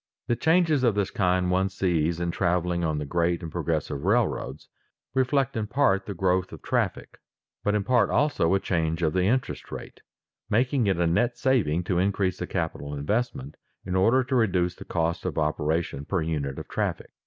The changes of this kind one sees in traveling on the great and progressive railroads, reflect in part the growth of traffic, but in part also a change of the interest rate, making it a net saving to increase the capital investment in order to reduce the cost of operation per unit of traffic.